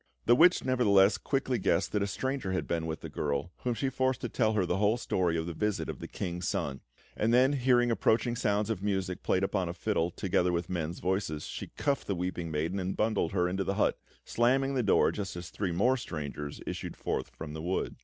The witch, nevertheless, quickly guessed that a stranger had been with the girl, whom she forced to tell her the whole story of the visit of the King's Son; and then, hearing approaching sounds of music played upon a fiddle, together with men's voices, she cuffed the weeping maiden and bundled her into the hut, slamming the door just as three more strangers issued forth from the wood.